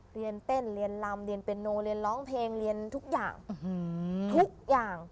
เรียนเต้นเรียนลำเรียนเป็นโนเรียนร้องเพลงเรียนทุกอย่างทุกอย่าง